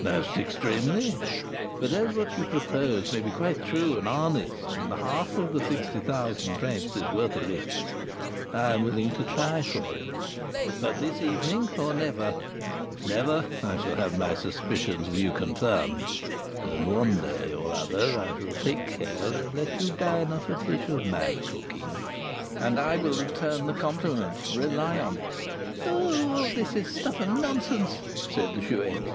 "Most extremely. But as what you propose may be quite true and honest, and the half of sixty thousand francs is worth a risk, I am willing to try for it; but this evening, or never; if never, I shall have my suspicions of you confirmed, and one day or other I will take care and let you dine off a dish of my cooking." "And I will return your compliment, rely on it." "Oh, this is all stuff and nonsense!" said the Chouette.